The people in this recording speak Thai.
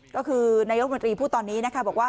ก็คือนายกมนตรีพูดตอนนี้นะคะบอกว่า